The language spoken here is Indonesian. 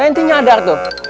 tuh ente nyadar tuh